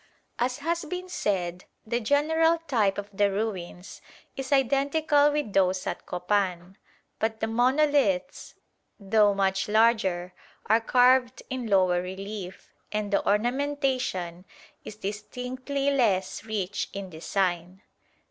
As has been said, the general type of the ruins is identical with those at Copan; but the monoliths, though much larger, are carved in lower relief, and the ornamentation is distinctly less rich in design.